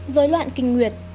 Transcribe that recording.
dối loạn kinh nguyệt